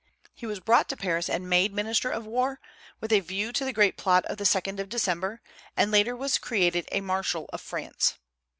He was brought to Paris and made minister of war, with a view to the great plot of the 2d of December, and later was created a Marshal of France.